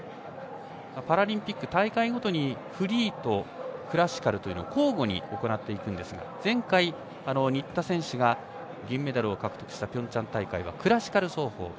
パラリンピック大会ごとにフリーとクラシカルを交互に行っていくんですが前回、新田選手が銀メダルを獲得したピョンチャン大会はクラシカル走法。